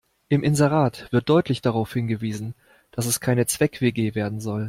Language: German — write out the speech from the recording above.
Im Inserat wird deutlich darauf hingewiesen, dass es keine Zweck-WG werden soll.